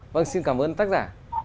vâng xin cảm ơn tác giả